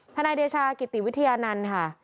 นายเดชากิติวิทยานันต์ค่ะ